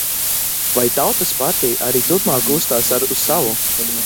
Vai Tautas partija arī turpmāk uzstās uz savu?